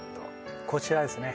こちらですね